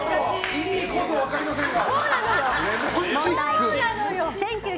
意味こそ分かりませんが。